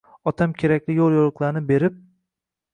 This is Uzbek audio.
Otam kerakli yo’l-yo’riqlarni berib: